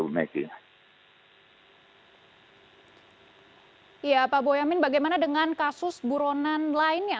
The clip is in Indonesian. ya pak boyamin bagaimana dengan kasus buronan lainnya